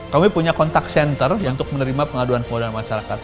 kami punya kontak senter untuk menerima pengaduan pengaduan masyarakat